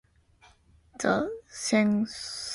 删除您的个人信息；